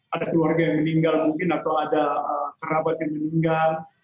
ada keluarga yang meninggal mungkin atau ada kerabat yang meninggal